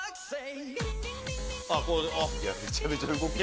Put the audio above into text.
めちゃめちゃ動く。